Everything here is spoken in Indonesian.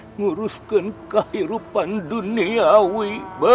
menguruskan kehidupan duniawi